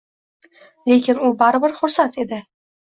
Lekin u baribir xursand edi